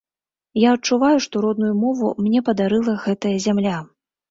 Я адчуваю, што родную мову мне падарыла гэтая зямля.